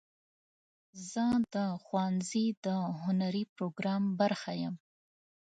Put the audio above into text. زه د ښوونځي د هنري پروګرام برخه یم.